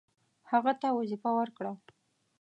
هغه ته وظیفه ورکړه.